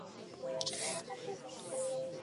通往香港的航班